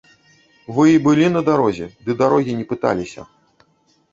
Вы і былі на дарозе, ды дарогі не пыталіся.